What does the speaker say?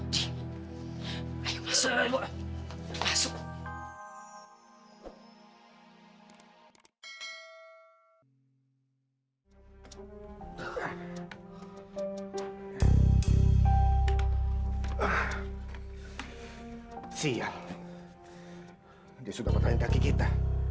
dia sudah matangin kaki kita